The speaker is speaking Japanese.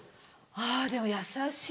あぁでも優しい。